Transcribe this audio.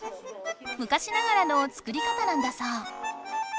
むかしながらの作り方なんだそう。